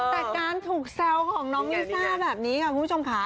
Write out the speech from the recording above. แต่การถูกแซวของน้องลิซ่าแบบนี้ค่ะคุณผู้ชมค่ะ